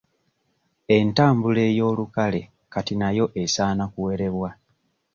Entambula ey'olukale kati nayo esaana kuwerebwa.